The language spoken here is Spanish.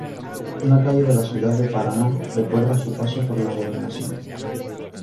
Una calle de la ciudad de Paraná recuerda su paso por la gobernación.